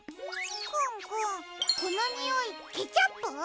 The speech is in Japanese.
くんくんこのにおいケチャップ？